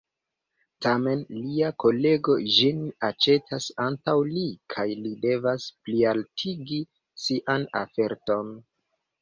Tamen, lia kolego ĝin aĉetas antaŭ li, kaj li devas plialtigi sian oferton.